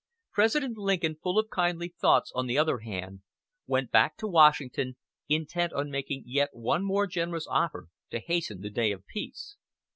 President Lincoln, full of kindly thoughts, on the other hand, went back to Washington, intent on making yet one more generous offer to hasten the day of peace.